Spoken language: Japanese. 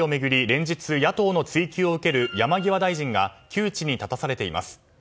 連日、野党の追及を受ける山際大臣が窮地に立たされています。